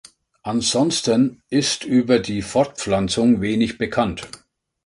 Ansonsten ist über die Fortpflanzung wenig bekannt.